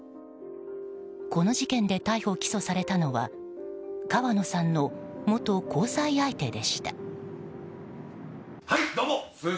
この事件で逮捕・起訴されたのは川野さんの元交際相手でした。